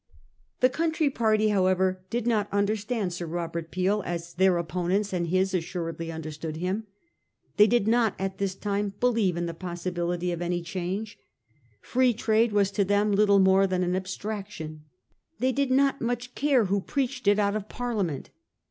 The country party, however, did not understand Sir Robert Peel as their opponents and his assuredly understood him. They did not at this time believe in the possibility of any change. Free Trade was to them little more than an abstraction. They did not much care who preached it out of Parliament.